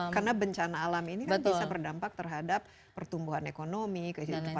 karena bencana alam ini kan bisa berdampak terhadap pertumbuhan ekonomi kehidupan manusia